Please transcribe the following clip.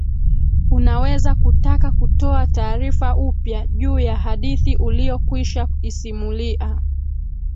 unaweza kutaka kutoa tarifa upya juu ya hadithi uliyokwisha isimulia